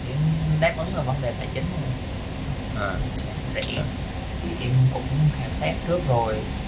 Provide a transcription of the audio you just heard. em đáp ứng vấn đề tài chính em cũng xem trước rồi